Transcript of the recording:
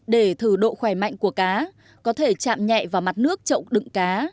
để thử độ khỏe mạnh của cá có thể chạm nhẹ vào mặt nước chậu đựng cá